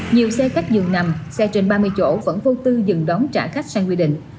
nhiều xe khách dự nằm xe trên ba mươi chỗ vẫn vô tư dừng đóng trả khách sang quy định